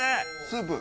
「スープ？」